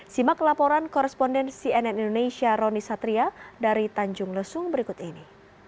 simak laporan koresponden cnn indonesia roni satria dari tanjung lesung berikut ini